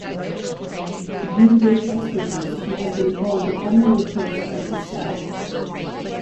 Due to this expertise she has been called the "Emily Post of the South".